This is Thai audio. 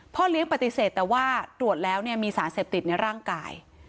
เลี้ยงปฏิเสธแต่ว่าตรวจแล้วมีสารเสพติดในร่างกาย